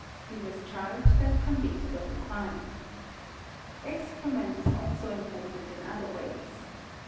He was charged and convicted of the crime. Excrement is also important in other ways.